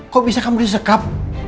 kok bisa kamu disekap